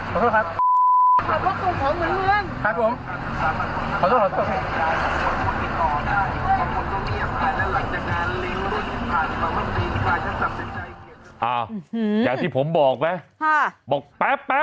เปิดไฟขอทางออกมาแล้วอ่ะ